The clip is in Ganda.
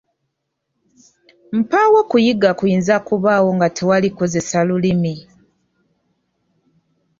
Mpaawo kuyiga kuyinza kubaawo nga tewali kukozesa Lulimi.